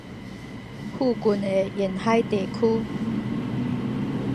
附近的沿海地區